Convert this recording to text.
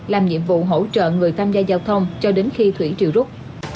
làm nhiệm vụ hỗ trợ người tham gia giao thông cho đến khi thủy triều rút